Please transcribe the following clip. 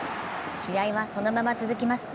試合はそのまま続きます。